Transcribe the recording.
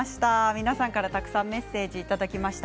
皆さんから、たくさんメッセージをいただきました。